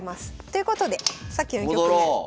ということでさっきの局面戻ろう。